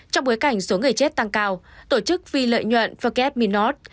trong bối cảnh số người chết tăng cao tổ chức phi lợi nhuận forget me not